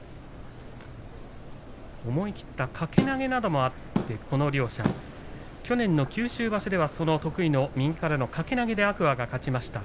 思い切った小手投げなどもあってこの両者、去年の九州場所では得意の右からの掛け投げで天空海が勝ちました。